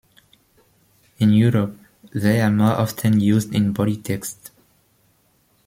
In Europe, they are more often used in body text.